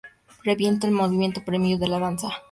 Reinventa el movimiento primigenio de la danza.